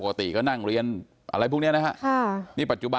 โอ้โหโอ้โหโอ้โหโอ้โหโอ้โห